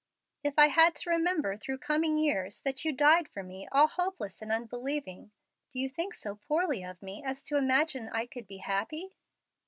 If I had to remember through coming years that you died for me all hopeless and unbelieving, do you think so poorly of me as to imagine I could be happy?